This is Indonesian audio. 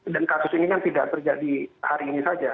dan kasus ini kan tidak terjadi hari ini saja